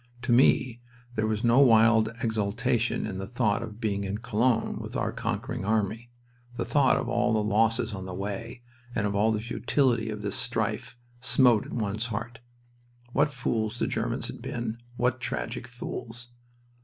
To me there was no wild exultation in the thought of being in Cologne with our conquering army. The thought of all the losses on the way, and of all the futility of this strife, smote at one's heart. What fools the Germans had been, what tragic fools!